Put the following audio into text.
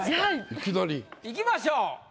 いきなり。いきましょう。